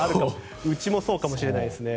うちもそうかもしれないですね。